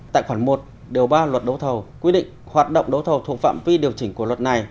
tại khoản một điều ba luật đấu thầu quy định hoạt động đấu thầu thuộc phạm vi điều chỉnh của luật này